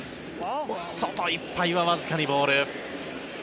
外いっぱいはわずかにボール。